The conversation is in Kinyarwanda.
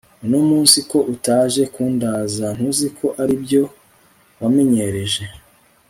uno munsi ko utaje kundaza ntuziko aribyo wamenyereje